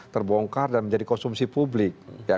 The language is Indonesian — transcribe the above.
terbongkar dan menjadi konsumsi publik